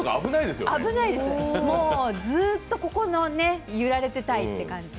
危ないです、ずっとここで揺られてたいって感じ。